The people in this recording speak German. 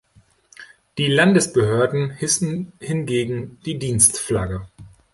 Die Landesbehörden hissen hingegen die Dienstflagge.